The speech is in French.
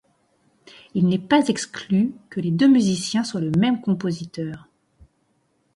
Il n'est pas exclu que les deux musiciens soient le même compositeur.